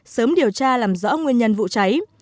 sớm điều tra làm rõ nguyên nhân vụ cháy